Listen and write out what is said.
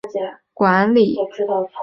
树火纪念纸博物馆管理。